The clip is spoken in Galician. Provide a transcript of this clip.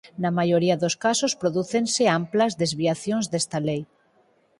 Na maioría dos casos prodúcense amplas desviacións desta lei.